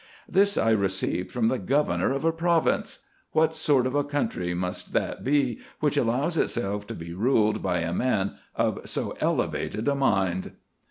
This I received from the governor of a province ! "What sort of a country must that be, which allows itself to be ruled by a man of so elevated a mind